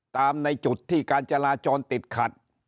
ในจุดที่การจราจรติดขัด